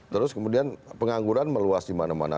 terus kemudian pengangguran meluas dimana mana